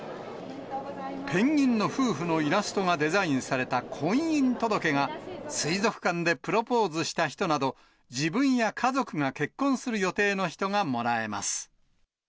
ペンギンの夫婦のイラストがデザインされた婚姻届が、水族館でプロポーズした人など、自分や家族が結婚する予定の人がもらえます。